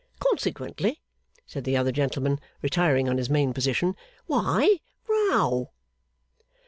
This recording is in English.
Consequently,' said the other gentleman, retiring on his main position, 'why Row?